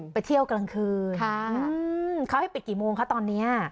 ไปเที่ยวกลางคืนเขาให้ปิดกี่โมงคะตอนนี้